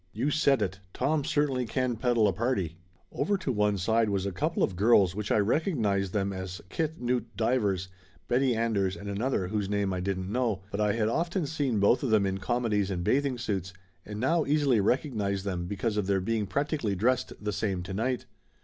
"You said it! Tom certainly can peddle a party!" Over to one side was a couple of girls which I rec ognized them at Kit Knute Divers, Betty Anders and another whose name I didn't know, but I had often seen both of them in comedies and bathing suits, and now easily recognized them because of their being practically dressed the same to night.